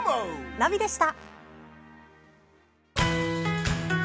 ナビでした。